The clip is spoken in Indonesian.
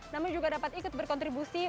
namun juga dapat ikut berkontribusi